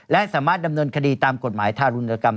และสามารถดำเนินคดีตามกฎหมายทารุณกรรม